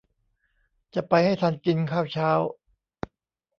จะไปให้ทันกินข้าวเช้า